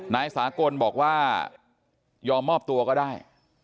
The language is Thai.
นายสากลบอกว่ายอมมอบตัวก็ได้